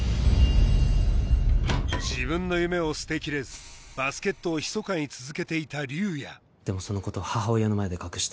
自分の夢を捨てきれずバスケットをひそかに続けていた竜也でもその事を母親の前で隠した。